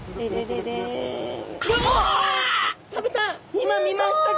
今見ましたか？